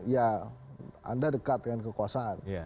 ya anda dekat dengan kekuasaan